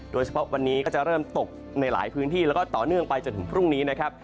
โดยเฉพาะวันนี้ก็จะเริ่มตกในหลายพื้นที่แล้วก็ต่อเนื่องไปจนถึงพรุ่งนี้นะครับ